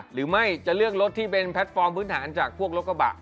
หรือไม่จะเลือกรถที่เป็นแพลตฟอร์มพื้นฐานจากพวกรถกระบะ